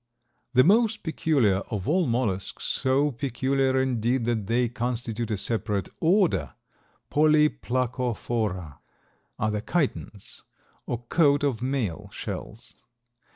The most peculiar of all the mollusks, so peculiar, indeed, that they constitute a separate order (Polyplacophora) are the Chitons, or coat of mail shells.